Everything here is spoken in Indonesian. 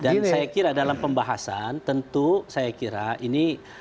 dan saya kira dalam pembahasan tentu saya kira ini